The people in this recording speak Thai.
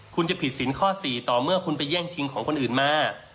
คุณจะผิดสินข้อ๔ต่อเมื่อคุณไปแย่งชิงของคนอื่นมา